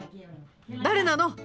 誰なの？